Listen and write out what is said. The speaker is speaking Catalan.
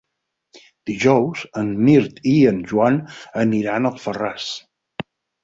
Dijous en Mirt i en Joan aniran a Alfarràs.